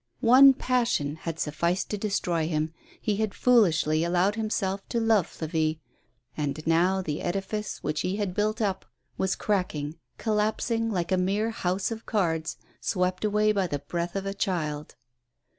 One passion had sufficed to destroy him : he had foolishly allowed WON AT LAST. 109 himself to love Flavie,'and now the edifice, which he had built up, was cracking, collapsing like a mere house of cards swept away by the breath of a child.